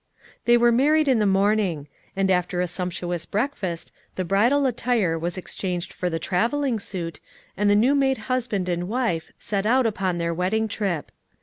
They were married in the morning; and after a sumptuous breakfast the bridal attire was exchanged for the traveling suit, and the new made husband and wife set out upon their wedding trip.